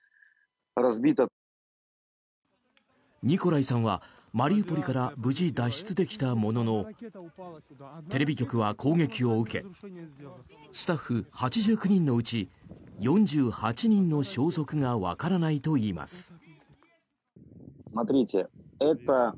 ニコライさんはマリウポリから無事、脱出できたもののテレビ局は攻撃を受けスタッフ８９人のうち４８人の消息がわからないといいます。